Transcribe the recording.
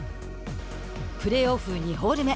プレーオフ２ホール目。